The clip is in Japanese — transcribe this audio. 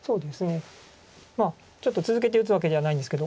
まあちょっと続けて打つわけじゃないんですけど。